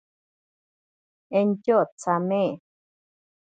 Entyo tsame.